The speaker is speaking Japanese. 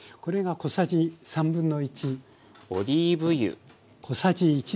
オリーブ油。